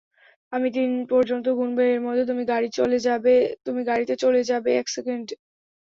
আমি তিন পর্যন্ত গুনবো, এরমধ্যে তুমি গাড়িতে চলে যাবে এক সেকেন্ড!